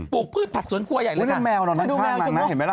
ปลูกพืชผัดสวนคั่วใหญ่เลยค่ะชั้นดูแมวหน่อยข้างหนังนะเห็นไหมล่ะ